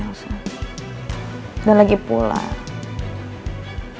ini juga hukuman yang sangat ringan dengan apa yang udah kamu lakuin kembali ya